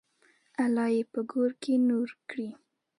الله یې په ګور کې نور کړي.